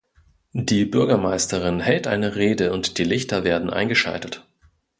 Die Bürgermeisterin hält eine Rede und die Lichter werden eingeschaltet.